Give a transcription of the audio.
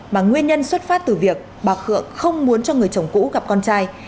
mà nguyên nhân xuất phát từ việc bà khương không muốn cho người chồng cũ gặp con trai